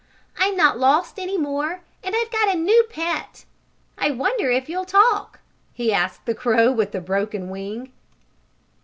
"I'm not lost any more, and I've got a new pet! I wonder if you'll talk?" he asked the crow with the broken wing.